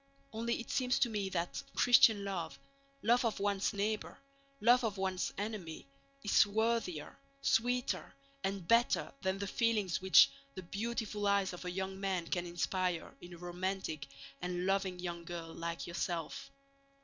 Only it seems to me that Christian love, love of one's neighbor, love of one's enemy, is worthier, sweeter, and better than the feelings which the beautiful eyes of a young man can inspire in a romantic and loving young girl like yourself.